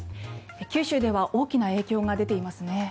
九州では大きな影響が出ていますね。